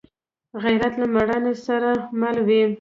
غیرت له مړانې سره مل وي